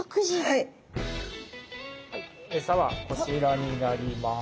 はいエサはこちらになります。